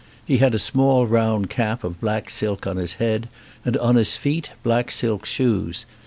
He had a small round cap of black silk on his head, and on his feet black silk shoes.